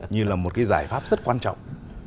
như là một giải pháp rất quan trọng